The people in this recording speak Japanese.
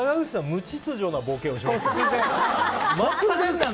無秩序なボケをしますから。